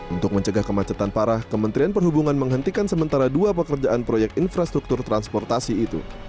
untuk mencegah kemacetan parah kementerian perhubungan menghentikan sementara dua pekerjaan proyek infrastruktur transportasi itu